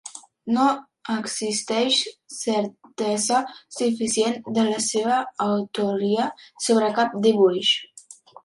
No existeix certesa suficient de la seva autoria sobre cap dibuix.